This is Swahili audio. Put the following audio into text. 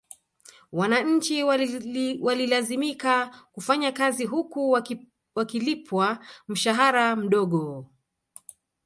Wananchi walilazimika kufanya kazi huku wakilipwa mshahara mdogo